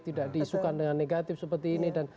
tidak disukan dengan negatif seperti ini